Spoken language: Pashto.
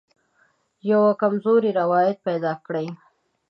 یوه کمزوری روایت پیدا کړي.